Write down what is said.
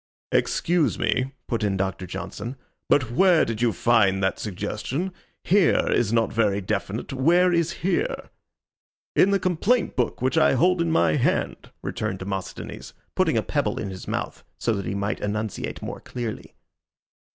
"Excuse me," put in Doctor Johnson, "but where do you find that suggestion? 'Here' is not very definite. Where is 'here'?" "In the complaint book, which I hold in my hand," returned Demosthenes, putting a pebble in his mouth so that he might enunciate more clearly.